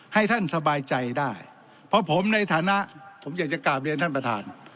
ให้ท่านสบายใจได้เพราะผมในฐานะผมอยากจะกราบเรียนท่านประธาน